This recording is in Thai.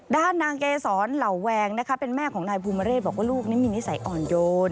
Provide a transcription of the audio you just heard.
ด้านนางเกษรเหล่าแวงนะคะเป็นแม่ของนายภูมิเรศบอกว่าลูกนี้มีนิสัยอ่อนโยน